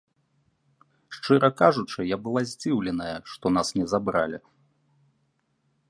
Шчыра кажучы, я была здзіўленая, што нас не забралі.